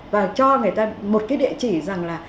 và cho người ta một cái địa chỉ rằng là